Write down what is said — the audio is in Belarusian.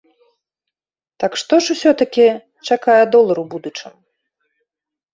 Так што ж усё ж такі чакае долар у будучым?